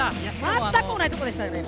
全く同じとこでしたよね